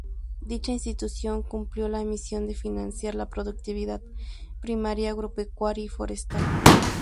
Dicha institución cumplió la misión de financiar la productividad primaria agropecuaria y forestal.